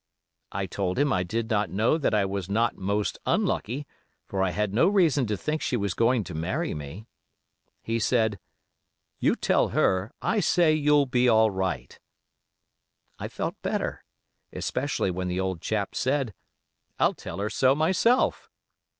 I told him I did not know that I was not most unlucky, for I had no reason to think she was going to marry me. He said, 'You tell her I say you'll be all right.' I felt better, especially when the old chap said, 'I'll tell her so myself.